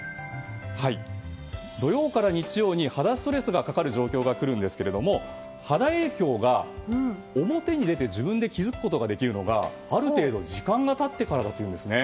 土曜から日曜に肌ストレスがかかる状況が来るんですけれども肌影響が表に出て自分で気づくことができるのがある程度時間が経ってからなんです。